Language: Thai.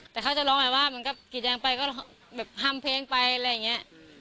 แต่เขาจะร้องไหมว่ากี่ยางไปได้ทำเพลงไปอะไรอย่างนี้